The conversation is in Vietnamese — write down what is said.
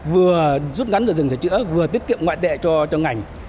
vừa rút ngắn về rừng sửa chữa vừa tiết kiệm ngoại tệ cho ngành